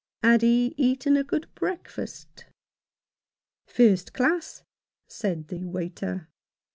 had he eaten a good breakfast ?" First class !" said the waiter.